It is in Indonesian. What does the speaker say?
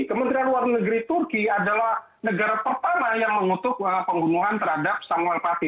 kementerian luar negeri turki adalah negara pertama yang mengutuk pembunuhan terhadap samuel pati